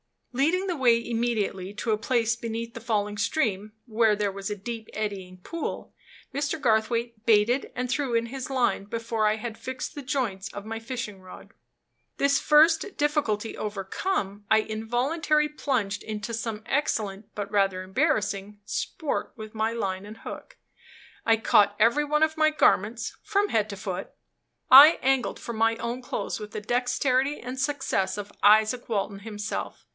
Leading the way immediately to a place beneath the falling stream, where there was a deep, eddying pool, Mr. Garthwaite baited and threw in his line before I had fixed the joints of my fishing rod. This first difficulty overcome, I involuntarily plunged into some excellent, but rather embarrassing, sport with my line and hook. I caught every one of my garments, from head to foot; I angled for my own clothes with the dexterity and success of Izaak Walton himself.